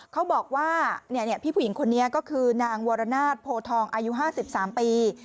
เขาบอกว่าพี่ผู้หญิงคนนี้ก็คือนางวรนาศโพทองอายุ๕๓ปี